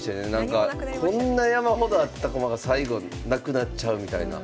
こんな山ほどあった駒が最後なくなっちゃうみたいな。